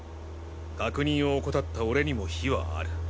確認を怠った俺にも非はある。